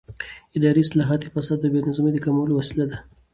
اداري اصلاحات د فساد او بې نظمۍ د کمولو وسیله دي